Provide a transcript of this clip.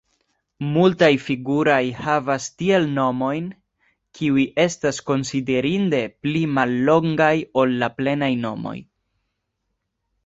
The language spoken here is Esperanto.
Multaj figuraj havas tiel nomojn, kiuj estas konsiderinde pli mallongaj ol la plenaj nomoj.